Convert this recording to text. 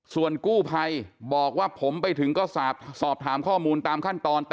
ส่วนกู้ภัยบอกว่าผมไปถึงก็สอบถามข้อมูลตามขั้นตอน